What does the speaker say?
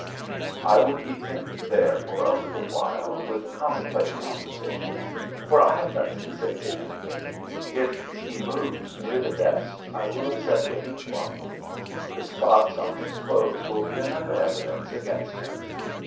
I will keep him there for a little while with commonplace conversation, for I have nothing to say to him. If he moves near the desk I will upset the inkbottle. The spots on his clothes will be another evidence against him.